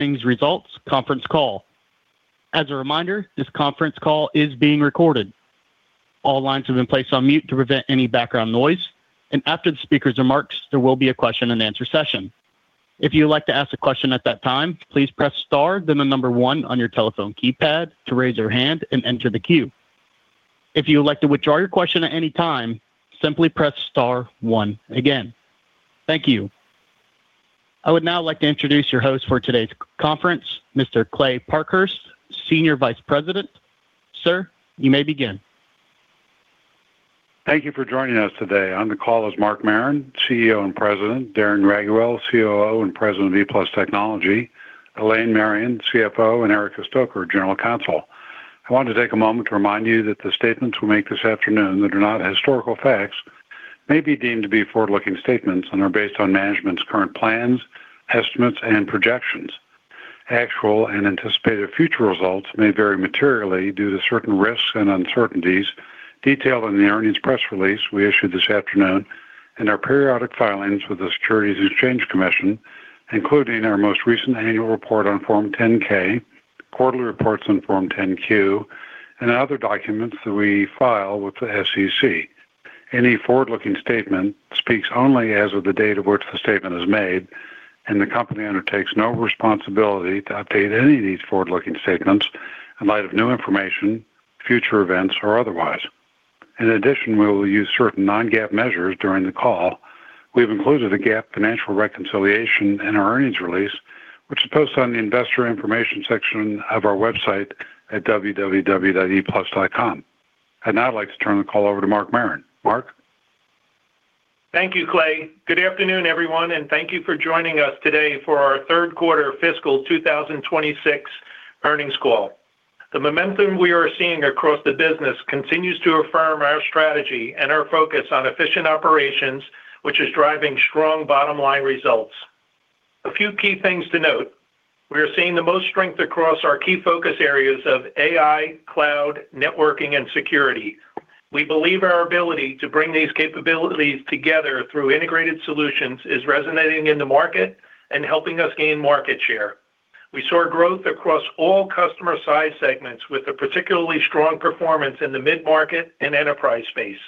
Earnings results conference call. As a reminder, this conference call is being recorded. All lines have been placed on mute to prevent any background noise, and after the speaker's remarks, there will be a question-and-answer session. If you would like to ask a question at that time, please press star, then the number one on your telephone keypad to raise your hand and enter the queue. If you would like to withdraw your question at any time, simply press star one again. Thank you. I would now like to introduce your host for today's conference, Mr. Kley Parkhurst, Senior Vice President. Sir, you may begin. Thank you for joining us today. On the call is Mark Marron, CEO and President, Darren Raiguel, COO and President of ePlus Technology, Elaine Marion, CFO, and Erica Stoecker, General Counsel. I want to take a moment to remind you that the statements we make this afternoon that are not historical facts may be deemed to be forward-looking statements and are based on management's current plans, estimates, and projections. Actual and anticipated future results may vary materially due to certain risks and uncertainties detailed in the earnings press release we issued this afternoon and our periodic filings with the Securities and Exchange Commission, including our most recent annual report on Form 10-K, quarterly reports on Form 10-Q, and other documents that we file with the SEC. Any forward-looking statement speaks only as of the date of which the statement is made, and the company undertakes no responsibility to update any of these forward-looking statements in light of new information, future events, or otherwise. In addition, we will use certain non-GAAP measures during the call. We've included a GAAP financial reconciliation in our earnings release, which is posted on the investor information section of our website at www.eplus.com. I'd now like to turn the call over to Mark Marron. Mark? Thank you, Kley. Good afternoon, everyone, and thank you for joining us today for our third quarter fiscal 2026 earnings call. The momentum we are seeing across the business continues to affirm our strategy and our focus on efficient operations, which is driving strong bottom line results. A few key things to note: We are seeing the most strength across our key focus areas of AI, cloud, networking, and security. We believe our ability to bring these capabilities together through integrated solutions is resonating in the market and helping us gain market share. We saw growth across all customer size segments, with a particularly strong performance in the mid-market and enterprise space.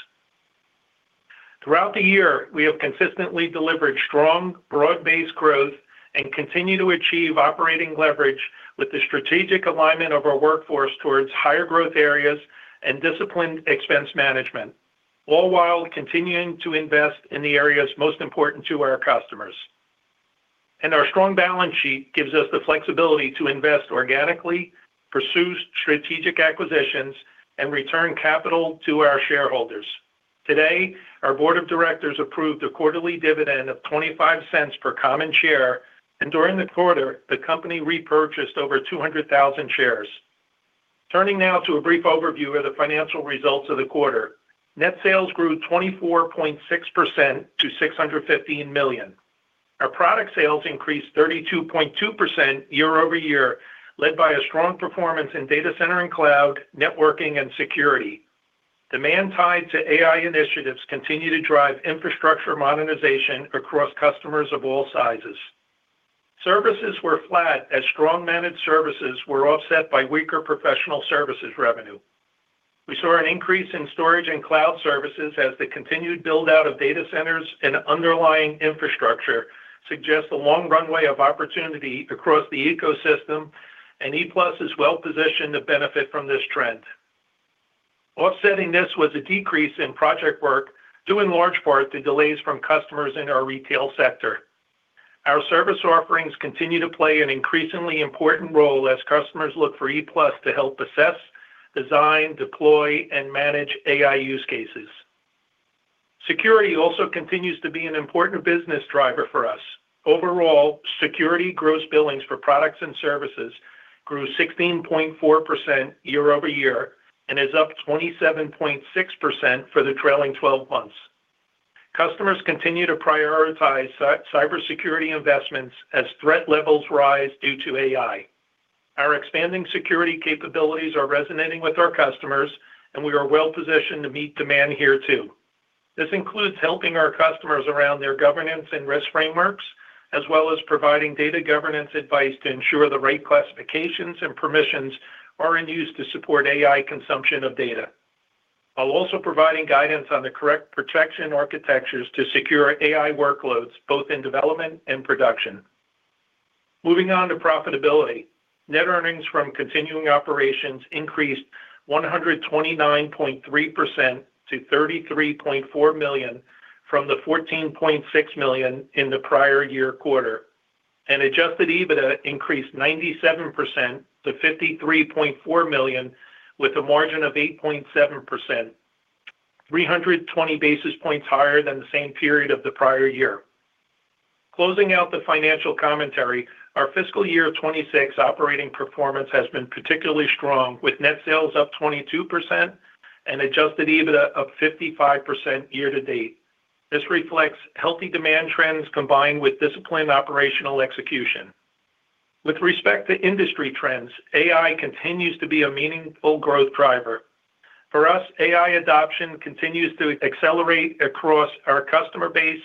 Throughout the year, we have consistently delivered strong, broad-based growth and continue to achieve operating leverage with the strategic alignment of our workforce towards higher growth areas and disciplined expense management, all while continuing to invest in the areas most important to our customers. Our strong balance sheet gives us the flexibility to invest organically, pursue strategic acquisitions, and return capital to our shareholders. Today, our board of directors approved a quarterly dividend of $0.25 per common share, and during the quarter, the company repurchased over 200,000 shares. Turning now to a brief overview of the financial results of the quarter. Net sales grew 24.6% to $615 million. Our product sales increased 32.2% year-over-year, led by a strong performance in data center and cloud, networking, and security. Demand tied to AI initiatives continue to drive infrastructure modernization across customers of all sizes. Services were flat as strong managed services were offset by weaker professional services revenue. We saw an increase in storage and cloud services as the continued build-out of data centers and underlying infrastructure suggests a long runway of opportunity across the ecosystem, and ePlus is well positioned to benefit from this trend. Offsetting this was a decrease in project work, due in large part to delays from customers in our retail sector. Our service offerings continue to play an increasingly important role as customers look for ePlus to help assess, design, deploy, and manage AI use cases. Security also continues to be an important business driver for us. Overall, security gross billings for products and services grew 16.4% year-over-year and is up 27.6% for the trailing 12 months. Customers continue to prioritize cybersecurity investments as threat levels rise due to AI. Our expanding security capabilities are resonating with our customers, and we are well positioned to meet demand here too. This includes helping our customers around their governance and risk frameworks, as well as providing data governance advice to ensure the right classifications and permissions are in use to support AI consumption of data, while also providing guidance on the correct protection architectures to secure AI workloads, both in development and production. Moving on to profitability. Net earnings from continuing operations increased 129.3% to $33.4 million from the $14.6 million in the prior year quarter, and adjusted EBITDA increased 97% to $53.4 million, with a margin of 8.7%, 320 basis points higher than the same period of the prior year. Closing out the financial commentary, our fiscal year 2026 operating performance has been particularly strong, with net sales up 22% and adjusted EBITDA up 55% year to date. This reflects healthy demand trends combined with disciplined operational execution. With respect to industry trends, AI continues to be a meaningful growth driver. For us, AI adoption continues to accelerate across our customer base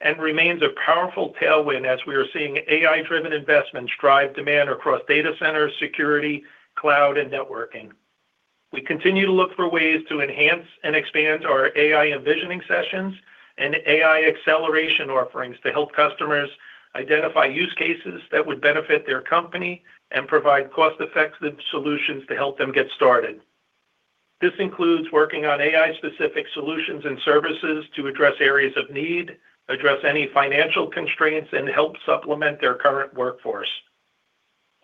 and remains a powerful tailwind as we are seeing AI-driven investments drive demand across data centers, security, cloud, and networking. We continue to look for ways to enhance and expand our AI envisioning sessions and AI acceleration offerings to help customers identify use cases that would benefit their company and provide cost-effective solutions to help them get started. This includes working on AI-specific solutions and services to address areas of need, address any financial constraints, and help supplement their current workforce.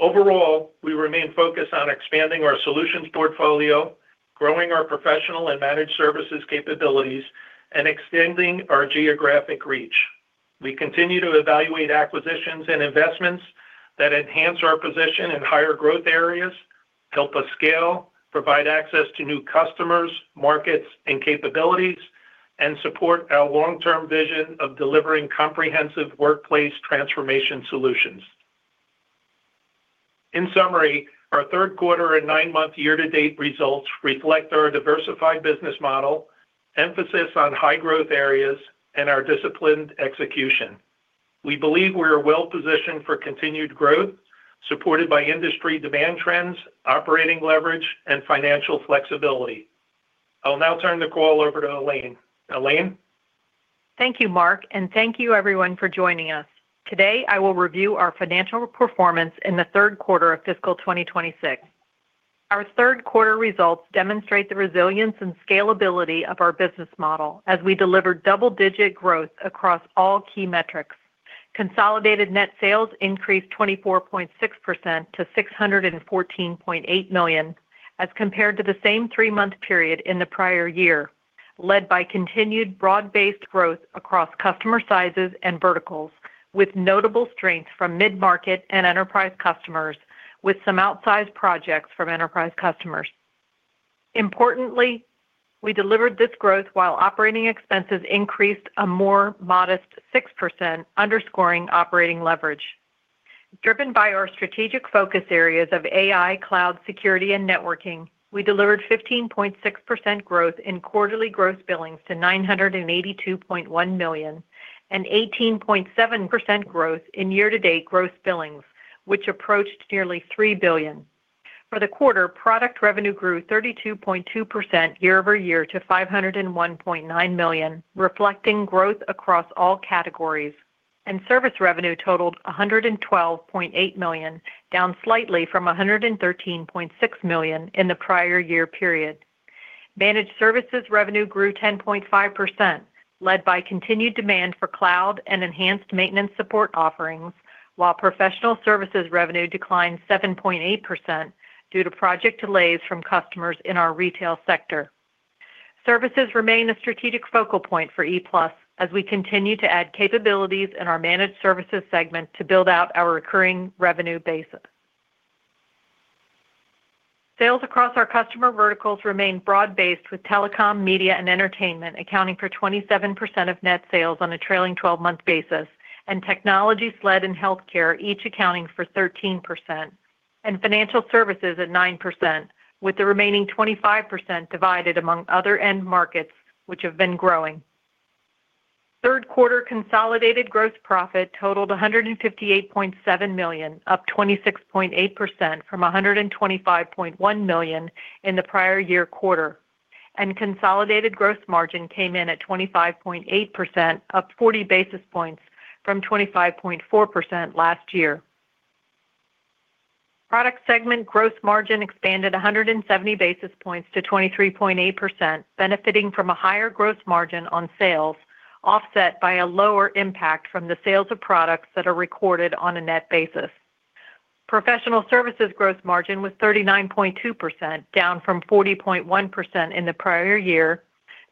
Overall, we remain focused on expanding our solutions portfolio, growing our professional and managed services capabilities, and extending our geographic reach. We continue to evaluate acquisitions and investments that enhance our position in higher growth areas, help us scale, provide access to new customers, markets, and capabilities, and support our long-term vision of delivering comprehensive workplace transformation solutions. In summary, our third quarter and nine-month year-to-date results reflect our diversified business model, emphasis on high-growth areas, and our disciplined execution. We believe we are well positioned for continued growth, supported by industry demand trends, operating leverage, and financial flexibility. I'll now turn the call over to Elaine. Elaine? Thank you, Mark, and thank you everyone for joining us. Today, I will review our financial performance in the third quarter of fiscal 2026. Our third quarter results demonstrate the resilience and scalability of our business model as we delivered double-digit growth across all key metrics. Consolidated net sales increased 24.6% to $614.8 million, as compared to the same three-month period in the prior year, led by continued broad-based growth across customer sizes and verticals, with notable strength from mid-market and enterprise customers, with some outsized projects from enterprise customers. Importantly, we delivered this growth while operating expenses increased a more modest 6%, underscoring operating leverage. Driven by our strategic focus areas of AI, cloud, security, and networking, we delivered 15.6% growth in quarterly gross billings to $982.1 million, and 18.7% growth in year-to-date gross billings, which approached nearly $3 billion. For the quarter, product revenue grew 32.2% year-over-year to $501.9 million, reflecting growth across all categories, and service revenue totaled $112.8 million, down slightly from $113.6 million in the prior year period. Managed services revenue grew 10.5%, led by continued demand for cloud and enhanced maintenance support offerings, while professional services revenue declined 7.8% due to project delays from customers in our retail sector. Services remain a strategic focal point for ePlus as we continue to add capabilities in our managed services segment to build out our recurring revenue basis. Sales across our customer verticals remain broad-based, with telecom, media, and entertainment accounting for 27% of net sales on a trailing 12-month basis, and technology, SLED, and healthcare each accounting for 13%, and financial services at 9%, with the remaining 25% divided among other end markets, which have been growing. Third quarter consolidated gross profit totaled $158.7 million, up 26.8% from $125.1 million in the prior year quarter, and consolidated gross margin came in at 25.8%, up 40 basis points from 25.4% last year. Product segment gross margin expanded 170 basis points to 23.8%, benefiting from a higher gross margin on sales, offset by a lower impact from the sales of products that are recorded on a net basis. Professional services gross margin was 39.2%, down from 40.1% in the prior year,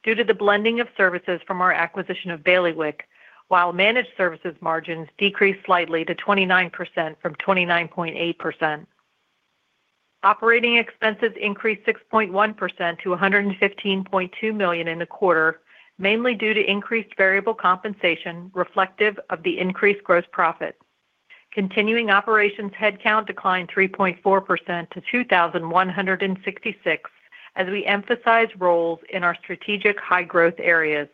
due to the blending of services from our acquisition of Bailiwick, while managed services margins decreased slightly to 29% from 29.8%. Operating expenses increased 6.1% to $115.2 million in the quarter, mainly due to increased variable compensation, reflective of the increased gross profit. Continuing operations headcount declined 3.4% to 2,166, as we emphasize roles in our strategic high-growth areas.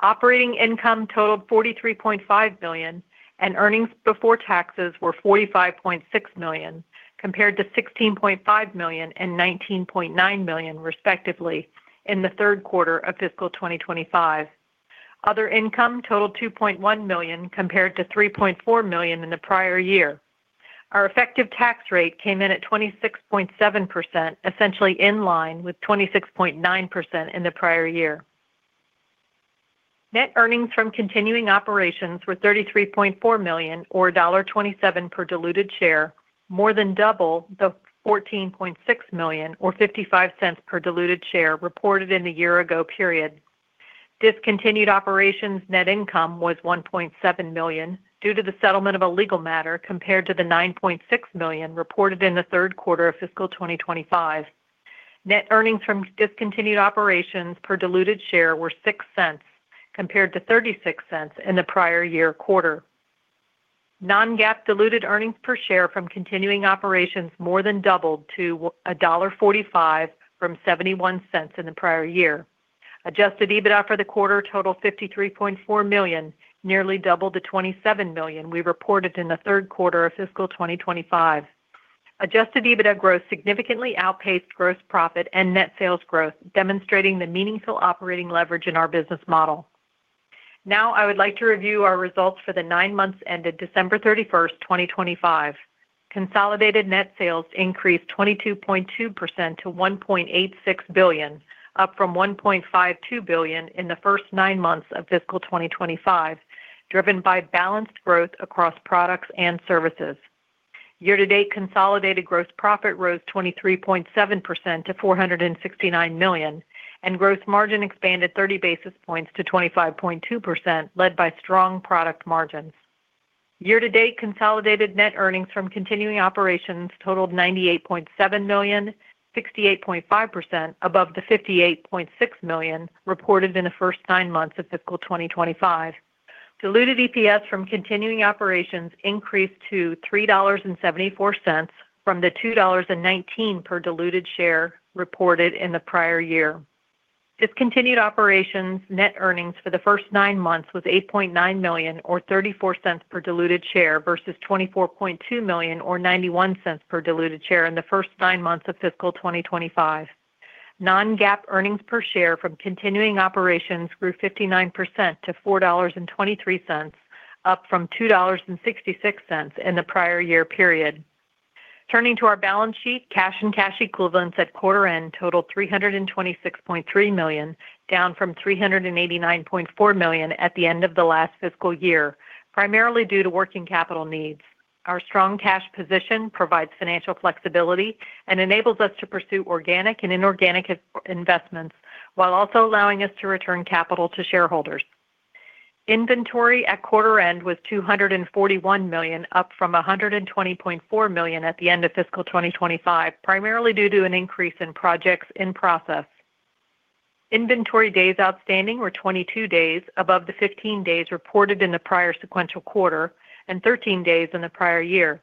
Operating income totaled $43.5 million, and earnings before taxes were $45.6 million, compared to $16.5 million and $19.9 million, respectively, in the third quarter of fiscal 2025. Other income totaled $2.1 million, compared to $3.4 million in the prior year. Our effective tax rate came in at 26.7%, essentially in line with 26.9% in the prior year. Net earnings from continuing operations were $33.4 million, or $0.27 per diluted share, more than double the $14.6 million or $0.55 per diluted share reported in the year ago period. Discontinued operations net income was $1.7 million, due to the settlement of a legal matter, compared to the $9.6 million reported in the third quarter of fiscal 2025. Net earnings from discontinued operations per diluted share were $0.06, compared to $0.36 in the prior year quarter. Non-GAAP diluted earnings per share from continuing operations more than doubled to $1.45 from $0.71 in the prior year. Adjusted EBITDA for the quarter totaled $53.4 million, nearly double the $27 million we reported in the third quarter of fiscal 2025. Adjusted EBITDA growth significantly outpaced gross profit and net sales growth, demonstrating the meaningful operating leverage in our business model. Now, I would like to review our results for the nine months ended December 31st, 2025. Consolidated net sales increased 22.2% to $1.86 billion, up from $1.52 billion in the first nine months of fiscal 2025, driven by balanced growth across products and services. Year-to-date consolidated gross profit rose 23.7% to $469 million, and gross margin expanded 30 basis points to 25.2%, led by strong product margins. Year-to-date consolidated net earnings from continuing operations totaled $98.7 million, 68.5% above the $58.6 million reported in the first nine months of fiscal 2025. Diluted EPS from continuing operations increased to $3.74 from the $2.19 per diluted share reported in the prior year. Discontinued operations net earnings for the first nine months was $8.9 million, or $0.34 per diluted share, versus $24.2 million, or $0.91 per diluted share in the first nine months of fiscal 2025. Non-GAAP earnings per share from continuing operations grew 59% to $4.23, up from $2.66 in the prior year period. Turning to our balance sheet, cash and cash equivalents at quarter end totaled $326.3 million, down from $389.4 million at the end of the last fiscal year, primarily due to working capital needs. Our strong cash position provides financial flexibility and enables us to pursue organic and inorganic investments, while also allowing us to return capital to shareholders. Inventory at quarter end was $241 million, up from $120.4 million at the end of fiscal 2025, primarily due to an increase in projects in process. Inventory days outstanding were 22 days, above the 15 days reported in the prior sequential quarter and 13 days in the prior year.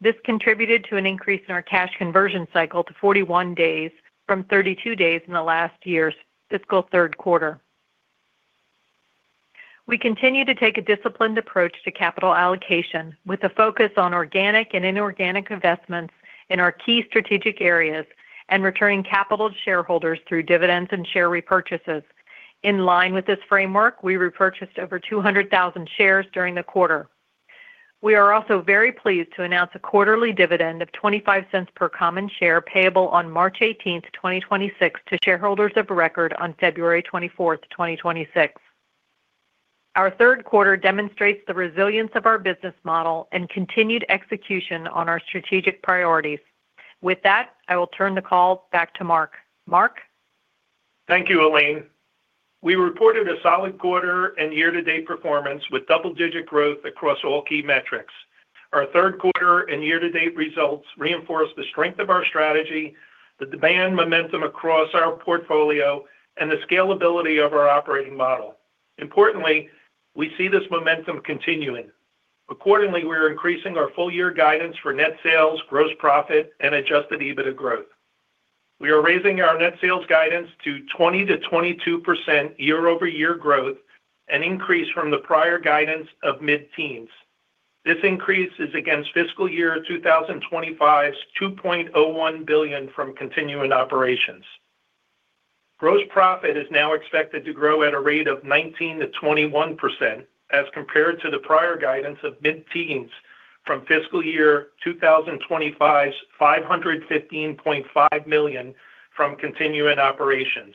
This contributed to an increase in our cash conversion cycle to 41 days from 32 days in the last year's fiscal third quarter. We continue to take a disciplined approach to capital allocation, with a focus on organic and inorganic investments in our key strategic areas and returning capital to shareholders through dividends and share repurchases. In line with this framework, we repurchased over 200,000 shares during the quarter. We are also very pleased to announce a quarterly dividend of $0.25 per common share, payable on March 18th, 2026, to shareholders of record on February 24th, 2026. Our third quarter demonstrates the resilience of our business model and continued execution on our strategic priorities. With that, I will turn the call back to Mark. Mark? Thank you, Elaine. We reported a solid quarter and year-to-date performance with double-digit growth across all key metrics. Our third quarter and year-to-date results reinforce the strength of our strategy, the demand momentum across our portfolio, and the scalability of our operating model. Importantly, we see this momentum continuing. Accordingly, we are increasing our full year guidance for net sales, gross profit and adjusted EBITDA growth. We are raising our net sales guidance to 20%-22% year-over-year growth, an increase from the prior guidance of mid-teens. This increase is against fiscal year 2025's $2.01 billion from continuing operations. Gross profit is now expected to grow at a rate of 19%-21% as compared to the prior guidance of mid-teens from fiscal year 2025's $515.5 million from continuing operations.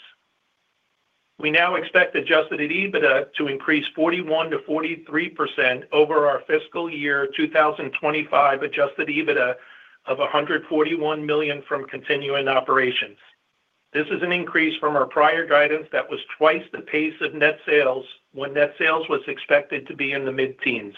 We now expect adjusted EBITDA to increase 41%-43% over our fiscal year 2025 adjusted EBITDA of $141 million from continuing operations. This is an increase from our prior guidance that was twice the pace of net sales when net sales was expected to be in the mid-teens.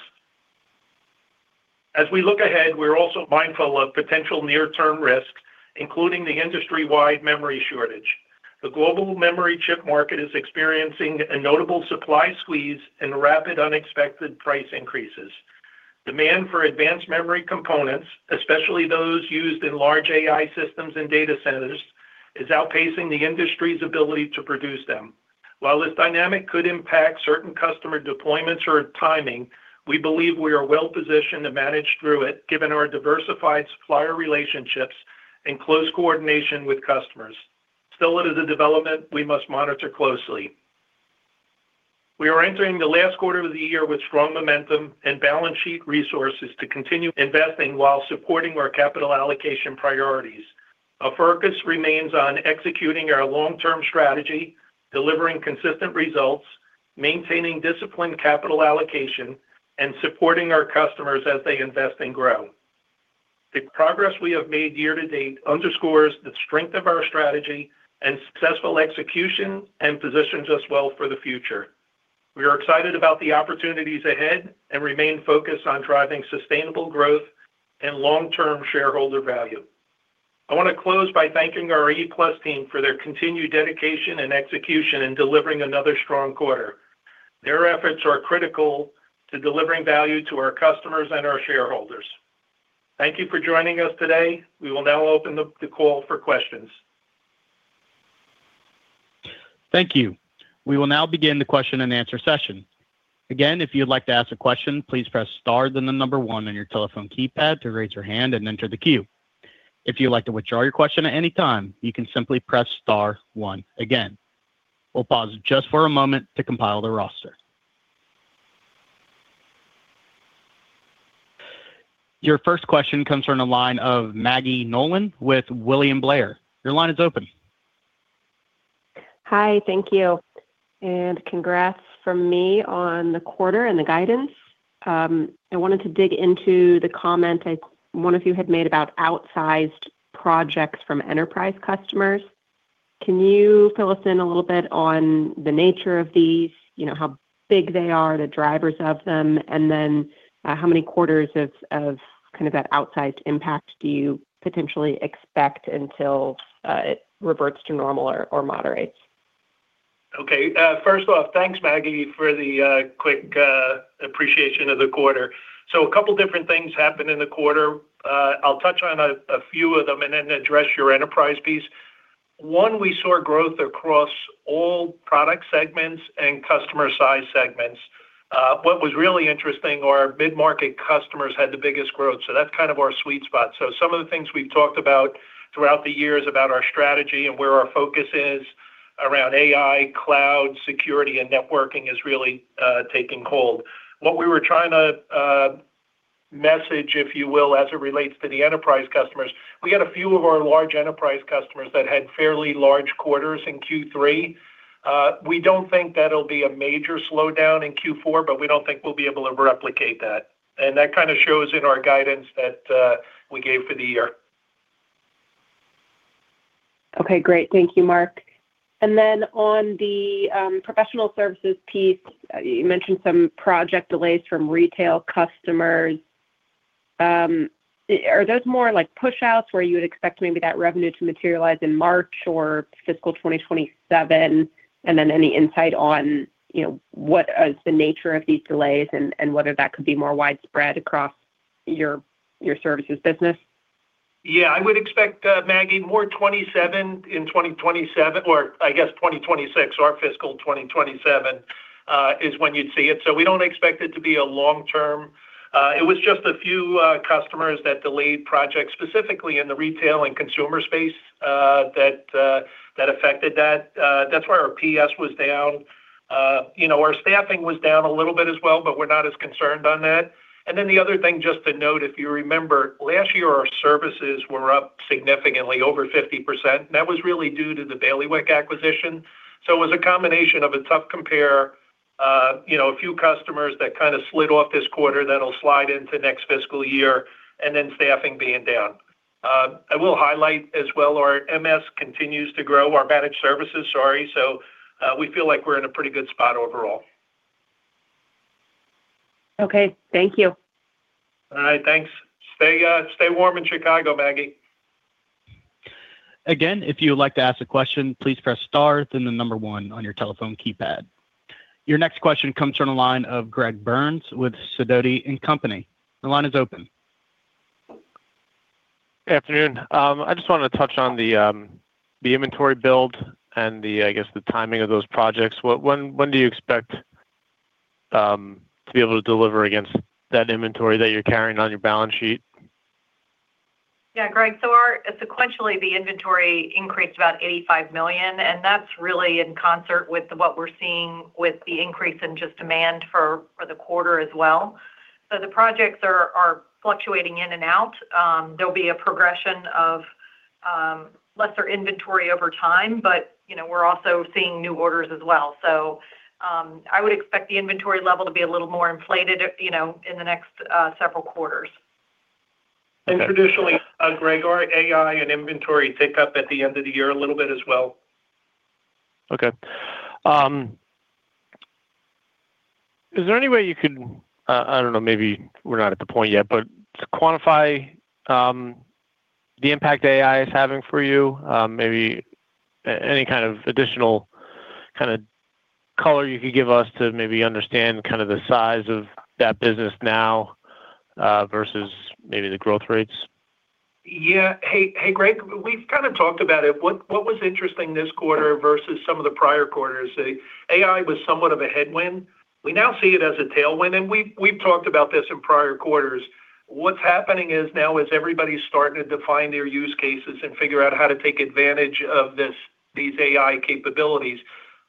As we look ahead, we're also mindful of potential near-term risks, including the industry-wide memory shortage. The global memory chip market is experiencing a notable supply squeeze and rapid, unexpected price increases. Demand for advanced memory components, especially those used in large AI systems and data centers, is outpacing the industry's ability to produce them. While this dynamic could impact certain customer deployments or timing, we believe we are well positioned to manage through it, given our diversified supplier relationships and close coordination with customers. Still, it is a development we must monitor closely. We are entering the last quarter of the year with strong momentum and balance sheet resources to continue investing while supporting our capital allocation priorities. Our focus remains on executing our long-term strategy, delivering consistent results, maintaining disciplined capital allocation, and supporting our customers as they invest and grow. The progress we have made year to date underscores the strength of our strategy and successful execution and positions us well for the future. We are excited about the opportunities ahead and remain focused on driving sustainable growth and long-term shareholder value. I want to close by thanking our ePlus team for their continued dedication and execution in delivering another strong quarter. Their efforts are critical to delivering value to our customers and our shareholders. Thank you for joining us today. We will now open up the call for questions. Thank you. We will now begin the question-and-answer session. Again, if you'd like to ask a question, please press star, then the number one on your telephone keypad to raise your hand and enter the queue. If you'd like to withdraw your question at any time, you can simply press star one again. We'll pause just for a moment to compile the roster. Your first question comes from the line of Maggie Nolan with William Blair. Your line is open. Hi, thank you, and congrats from me on the quarter and the guidance. I wanted to dig into the comment one of you had made about outsized projects from enterprise customers. Can you fill us in a little bit on the nature of these, you know, how big they are, the drivers of them, and then how many quarters of kind of that outsized impact do you potentially expect until it reverts to normal or moderates? Okay. First off, thanks, Maggie, for the quick appreciation of the quarter. So a couple different things happened in the quarter. I'll touch on a few of them and then address your enterprise piece. One, we saw growth across all product segments and customer size segments. What was really interesting, our mid-market customers had the biggest growth, so that's kind of our sweet spot. So some of the things we've talked about throughout the years about our strategy and where our focus is around AI, cloud, security, and networking is really taking hold. What we were trying to message, if you will, as it relates to the enterprise customers, we had a few of our large enterprise customers that had fairly large quarters in Q3. We don't think that'll be a major slowdown in Q4, but we don't think we'll be able to replicate that, and that kinda shows in our guidance that we gave for the year. Okay, great. Thank you, Mark. And then on the professional services piece, you mentioned some project delays from retail customers. Are those more like push outs where you would expect maybe that revenue to materialize in March or fiscal 2027? And then any insight on, you know, what is the nature of these delays and whether that could be more widespread across your services business? Yeah, I would expect, Maggie, more in 2027, in 2027, or I guess 2026, our fiscal 2027, is when you'd see it. So we don't expect it to be a long term. It was just a few customers that delayed projects, specifically in the retail and consumer space, that affected that. That's why our PS was down. You know, our staffing was down a little bit as well, but we're not as concerned on that. And then the other thing just to note, if you remember, last year, our services were up significantly, over 50%. That was really due to the Bailiwick acquisition. So it was a combination of a tough compare, you know, a few customers that kind of slid off this quarter that'll slide into next fiscal year, and then staffing being down. I will highlight as well, our MS continues to grow, our managed services, sorry. So, we feel like we're in a pretty good spot overall. Okay. Thank you. All right, thanks. Stay warm in Chicago, Maggie. Again, if you would like to ask a question, please press star, then the number one on your telephone keypad. Your next question comes from the line of Greg Burns with Sidoti & Company. The line is open. Good afternoon. I just wanted to touch on the inventory build and, I guess, the timing of those projects. When do you expect to be able to deliver against that inventory that you're carrying on your balance sheet? Yeah, Greg, so our sequentially, the inventory increased about $85 million, and that's really in concert with what we're seeing with the increase in just demand for the quarter as well. So the projects are fluctuating in and out. There'll be a progression of lesser inventory over time, but, you know, we're also seeing new orders as well. So, I would expect the inventory level to be a little more inflated, you know, in the next several quarters. Traditionally, Greg, our AI and inventory tick up at the end of the year a little bit as well. Okay. Is there any way you can, I don't know, maybe we're not at the point yet, but to quantify, the impact AI is having for you, maybe any kind of additional kind of color you could give us to maybe understand kind of the size of that business now, versus maybe the growth rates? Yeah. Hey, hey, Greg, we've kind of talked about it. What, what was interesting this quarter versus some of the prior quarters, AI was somewhat of a headwind. We now see it as a tailwind, and we've, we've talked about this in prior quarters. What's happening now is everybody's starting to define their use cases and figure out how to take advantage of these AI capabilities.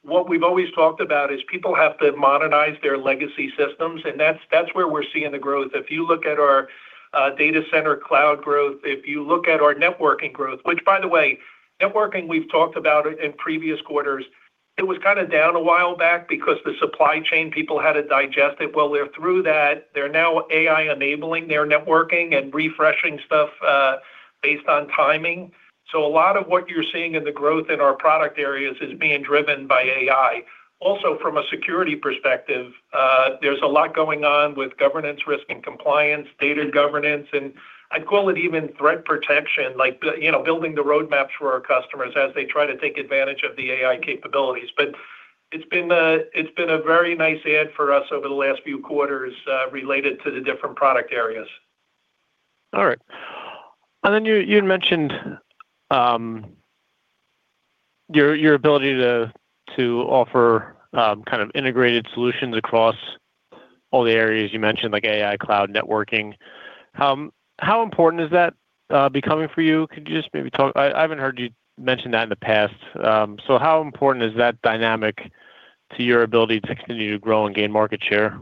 What we've always talked about is people have to modernize their legacy systems, and that's, that's where we're seeing the growth. If you look at our data center cloud growth, if you look at our networking growth, which, by the way, networking, we've talked about it in previous quarters, it was kind of down a while back because the supply chain, people had to digest it. Well, they're through that. They're now AI-enabling their networking and refreshing stuff based on timing. So a lot of what you're seeing in the growth in our product areas is being driven by AI. Also, from a security perspective, there's a lot going on with governance, risk and compliance, data governance, and I'd call it even threat protection, like the, you know, building the roadmaps for our customers as they try to take advantage of the AI capabilities. But it's been a very nice add for us over the last few quarters related to the different product areas. All right. And then you, you had mentioned, your, your ability to, to offer, kind of integrated solutions across all the areas you mentioned, like AI, cloud, networking. How important is that becoming for you? Could you just maybe talk—I haven't heard you mention that in the past. So how important is that dynamic to your ability to continue to grow and gain market share?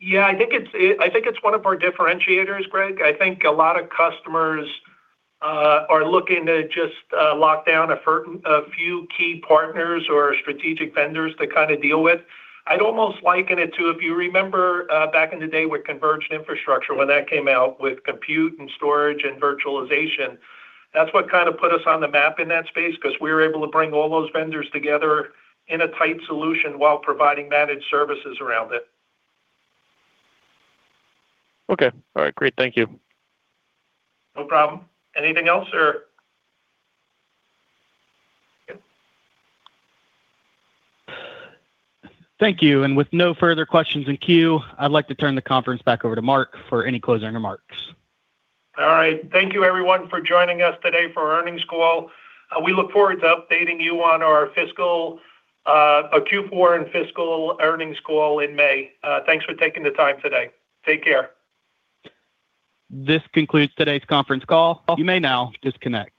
Yeah, I think it's, I think it's one of our differentiators, Greg. I think a lot of customers are looking to just lock down a few key partners or strategic vendors to kind of deal with. I'd almost liken it to, if you remember, back in the day with converged infrastructure, when that came out, with compute and storage and virtualization, that's what kind of put us on the map in that space, because we were able to bring all those vendors together in a tight solution while providing managed services around it. Okay. All right, great. Thank you. No problem. Anything else, or? Okay. Thank you. With no further questions in queue, I'd like to turn the conference back over to Mark for any closing remarks. All right. Thank you, everyone, for joining us today for our earnings call. We look forward to updating you on our fiscal, our Q4 and fiscal earnings call in May. Thanks for taking the time today. Take care. This concludes today's conference call. You may now disconnect.